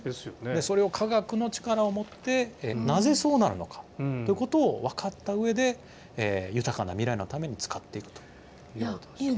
それを科学の力を持って、なぜそうなるのかということを分かったうえで、豊かな未来のために使っていくと。